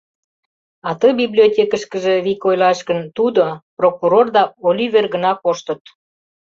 А ты библиотекышкыже, вик ойлаш гын, тудо, прокурор да Оливер гына коштыт.